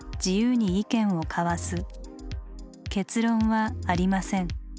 結論はありません。